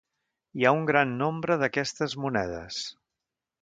Hi ha un gran nombre d'aquestes monedes.